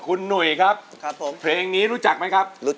คุณหนุ่ยครับเพลงนี้รู้จักไหมครับคุณหนุ่ยครับ